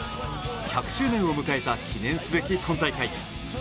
１００周年を迎えた記念すべき今大会。